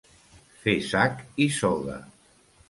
Fer sac i soga.